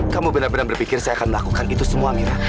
kamu benar benar berpikir saya akan melakukan itu semua mina